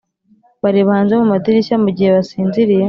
bareba hanze mu madirishya mugihe basinziriye